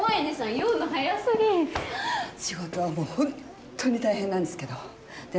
酔うの早すぎ仕事はもう本当に大変なんですけどで